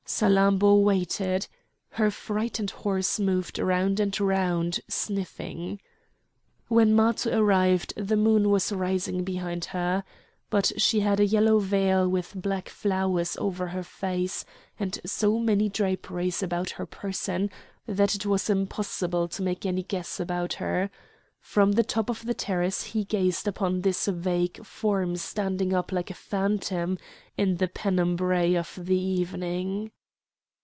Salammbô waited; her frightened horse moved round and round, sniffing. When Matho arrived the moon was rising behind her. But she had a yellow veil with black flowers over her face, and so many draperies about her person, that it was impossible to make any guess about her. From the top of the terrace he gazed upon this vague form standing up like a phantom in the penumbræ of the evening.